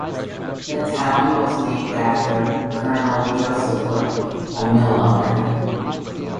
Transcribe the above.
The town was named after Colonel Joseph Whitney, a mill owner.